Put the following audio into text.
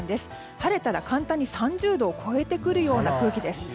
晴れたら簡単に３０度を超えてくるような空気です。